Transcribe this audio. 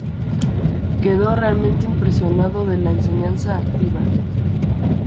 Quedó realmente impresionado de la enseñanza activa.